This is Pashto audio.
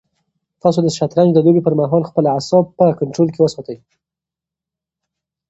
تاسو د شطرنج د لوبې پر مهال خپل اعصاب په کنټرول کې وساتئ.